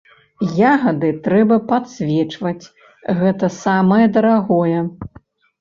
Ягады трэба падсвечваць, гэта самае дарагое.